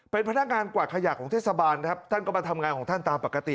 เป็นพนักงานกวาดขยะของเทศบาลครับท่านก็มาทำงานของท่านตามปกติ